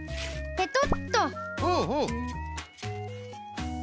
ペトッと。